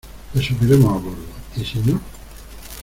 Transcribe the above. les subiremos a bordo. ¿ y si no?